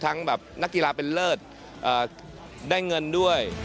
แบบนักกีฬาเป็นเลิศได้เงินด้วย